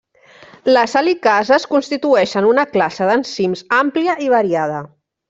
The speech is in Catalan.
Les helicases constitueixen una classe d’enzims àmplia i variada.